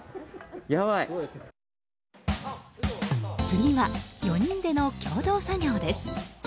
次は、４人での共同作業です。